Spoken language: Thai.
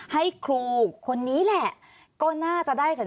ให้ครูคนนี้แหละ